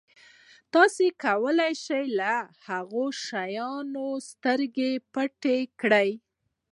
تاسو کولای شئ له هغه شیانو سترګې پټې کړئ.